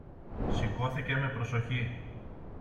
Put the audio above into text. Σηκώθηκε με προσοχή